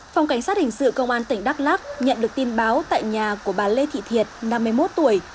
phòng cảnh sát hình sự công an tỉnh đắk lắc nhận được tin báo tại nhà của bà lê thị thiệt năm mươi một tuổi